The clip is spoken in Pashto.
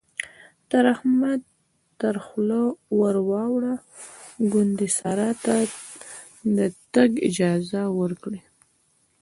ته احمد ته خوله ور واړوه ګوندې سارا ته د تګ اجازه ورکړي.